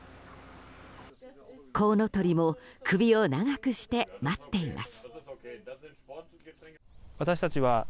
コウノトリも首を長くして待っています。